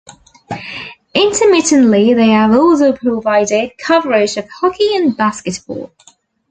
Intermittently, they have also provided coverage of hockey and basketball.